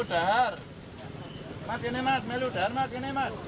di tempat yang asli di jemaah